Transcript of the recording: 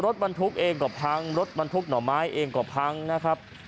รถบรรทุกเองก็พังรถบรรทุกหน่อไม้เองก็พังนะครับ